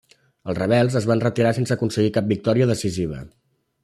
Els rebels es van retirar sense aconseguir cap victòria decisiva.